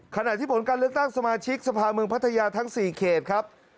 ขณะที่ผลการเลือกตั้งสมาชิกสภาเมืองพัทยาทั้ง๔เขตครับ